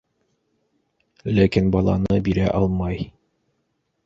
Ләкин баланы бирә алмай.